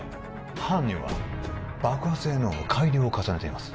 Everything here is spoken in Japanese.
犯人は爆破性能の改良を重ねています